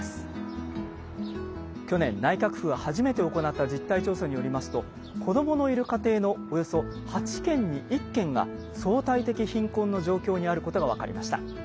去年内閣府が初めて行った実態調査によりますと子どものいる家庭のおよそ８軒に１軒が「相対的貧困」の状況にあることが分かりました。